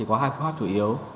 có hai phương pháp chủ yếu